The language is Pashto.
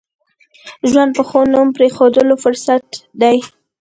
ژوند د ښو نوم پرېښوولو فرصت دی.